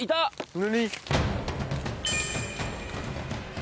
何？